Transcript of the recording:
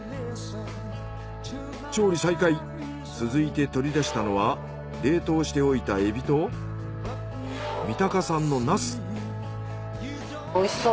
調理再開続いて取り出したのは冷凍しておいたエビと三鷹産のナス。